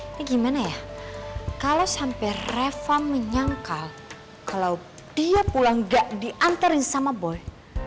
ini gimana ya kalau sampai refa menyangkal kalau dia pulang gak diantarin sama boy